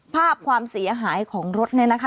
ความเสียหายของรถเนี่ยนะคะ